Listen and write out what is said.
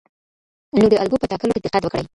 نو د الګو په ټاکلو کې دقت وکړئ.